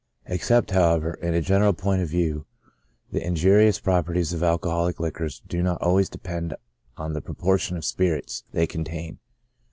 Except, however, in a general point of view, the injurious properties of alcoholic liquors do not always depend on the proportion of spirits they contain.